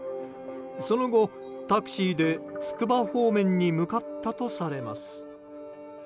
その後、タクシーでつくば方面に向かったとされます。